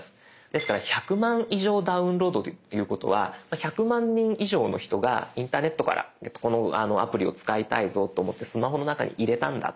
ですから１００万以上ダウンロードということは１００万人以上の人がインターネットからこのアプリを使いたいぞと思ってスマホの中に入れたんだ